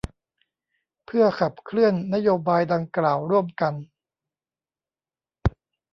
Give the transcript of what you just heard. เพื่อขับเคลื่อนนโยบายดังกล่าวร่วมกัน